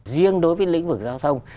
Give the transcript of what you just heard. riêng đối với lĩnh vực giao thông